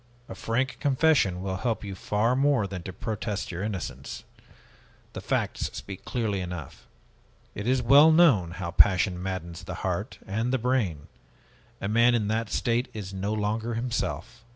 A frank confession will help you far more than to protest your innocence. The facts speak clearly enough. It is well known how passion maddens the heart and the brain. A man in that state is no longer himself."